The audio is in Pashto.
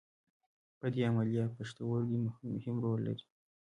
په دې عملیه پښتورګي مهم رول لري.